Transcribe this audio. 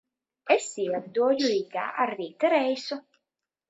Es ielidoju Rīgā ar rīta reisu.